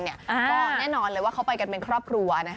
ก็แน่นอนเลยว่าเขาไปกันเป็นครอบครัว